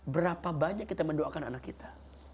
berapa banyak kita mendoakan anak kita